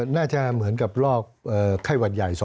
น่าจะเหมือนกับรอบไข้วัดใหญ่๒๐๐๙